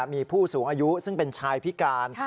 มีผู้สูงอายุซึ่งเป็นชายพิการ